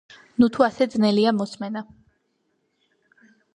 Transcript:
ნუთუ ასე ძნელია მოსმენა.